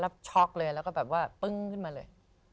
แล้วช็อกเลยแล้วก็แบบว่าปึ้งขึ้นมาเลย